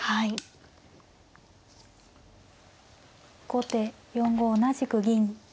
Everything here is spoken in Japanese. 後手４五同じく銀。